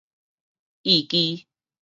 意基